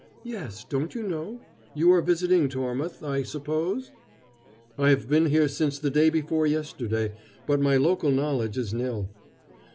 "Yes; don't you know? You are visiting Tormouth, I suppose?" "I have been here since the day before yesterday, but my local knowledge is nil."